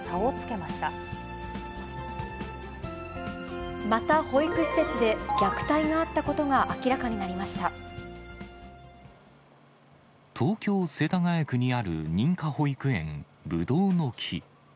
また保育施設で虐待があった東京・世田谷区にある認可保育園、ぶどうの木。